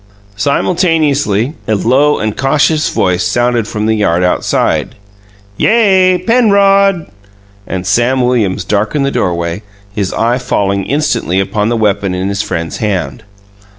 Simultaneously, a low and cautious voice sounded from the yard outside, "Yay, Penrod!" and Sam Williams darkened the doorway, his eye falling instantly upon the weapon in his friend's hand.